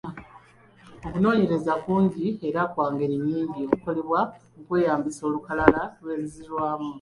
Okunoonyereza kungi era kwa ngeri nnyingi okukolebwa mu kweyambisa olukalala lw’enzirwamu.